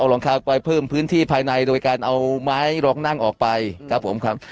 รองเท้าไปเพิ่มพื้นที่ภายในโดยการเอาไม้ลองนั่งออกไปครับผมครับ